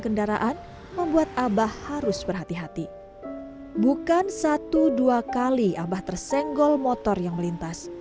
kendaraan membuat abah harus berhati hati bukan satu dua kali abah tersenggol motor yang melintas